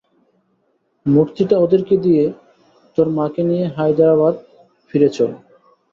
মূর্তিটা ওদেরকে দিয়ে, তোর মাকে নিয়ে হায়দ্রাবাদে ফিরে চল।